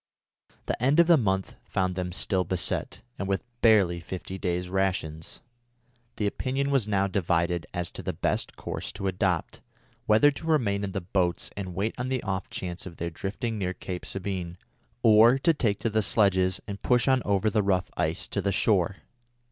The end of the month found them still beset, and with barely fifty days' rations. The opinion was now divided as to the best course to adopt, whether to remain in the boats and wait on the off chance of their drifting near Cape Sabine, or to take to the sledges and push on over the rough ice to the shore.